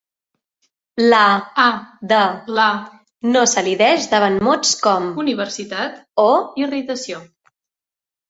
La "a" de "la" no s'elideix davant mots com "universitat" o "irritació".